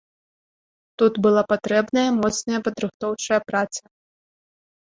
Тут была патрэбная моцная падрыхтоўчая праца.